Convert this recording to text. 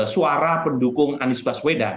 suara pendukung anies baswedan